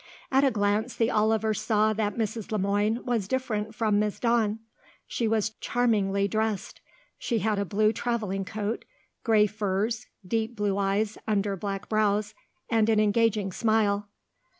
At a glance the Olivers saw that Mrs. Le Moine was different from Miss Dawn. She was charmingly dressed. She had a blue travelling coat, grey furs, deep blue eyes under black brows, and an engaging smile.